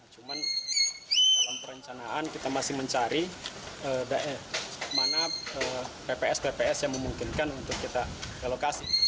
cuman dalam perencanaan kita masih mencari mana pps pps yang memungkinkan untuk kita relokasi